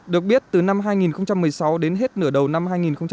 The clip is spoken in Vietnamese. được biết từ năm hai nghìn một mươi sáu đến hết nửa đầu năm hai nghìn một mươi chín